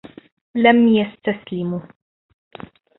لم يستسلموا